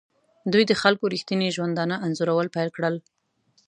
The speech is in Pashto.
دوی د خلکو ریښتیني ژوندانه انځورول پیل کړل.